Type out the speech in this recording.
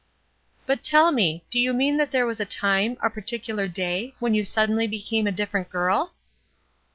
''But tell me, do you mean that there was a time, a particular day, when you suddenly became a different girl?"